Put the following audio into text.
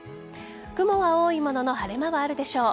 雲が多いものの晴れ間はあるでしょう。